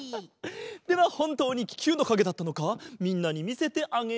ではほんとうにききゅうのかげだったのかみんなにみせてあげよう。